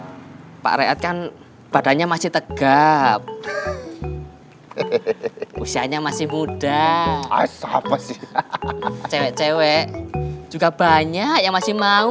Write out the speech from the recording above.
ya pak rehat kan badannya masih tegap usianya masih muda cewek cewek juga banyak yang masih mau